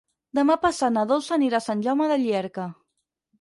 Demà passat na Dolça anirà a Sant Jaume de Llierca.